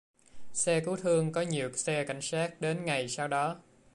Xe cứu thương có nhiều xe cảnh sát đến ngày sau đó